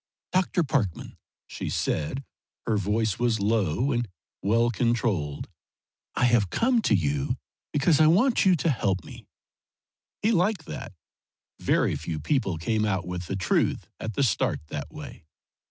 "Dr. Parkman," she said her voice was low and well controlled "I have come to you because I want you to help me." He liked that. Very few people came out with the truth at the start that way.